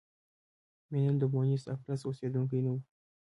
مینم د بونیس ایرس اوسېدونکی نه و.